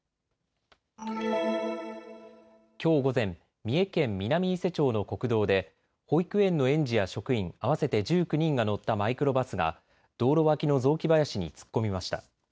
きょう午前、三重県南伊勢町の国道で保育園の園児や職員合わせて１９人が乗ったマイクロバスが道路脇の雑木林に突っ込みました。